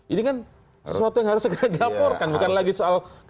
ini kan sesuatu yang harus segera dilaporkan bukan lagi soal